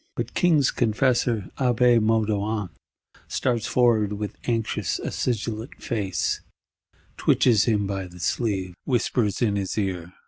But King's Confessor Abbé Moudon starts forward; with anxious acidulent face, twitches him by the sleeve; whispers in his ear.